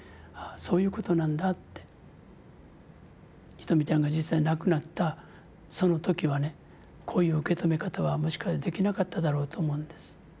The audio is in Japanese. ひとみちゃんが実際亡くなったその時はねこういう受け止め方はもしかしたらできなかっただろうと思うんです。